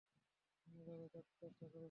অন্য জায়গায় চাকরির চেষ্টা করেছি!